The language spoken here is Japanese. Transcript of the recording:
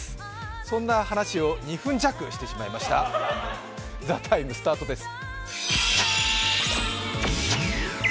そんな話を２分弱してしまいました「ＴＨＥＴＩＭＥ，」スタートです。